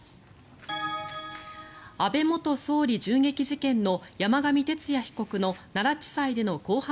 安倍元総理銃撃事件の山上徹也被告の奈良地裁での公判